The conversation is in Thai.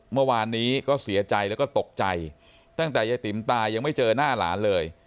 เมื่อวานนี้ก็เสียใจแล้วก็ตกใจตั้งแต่ยายติ๋มตายังไม่เจอหน้าหลานเลย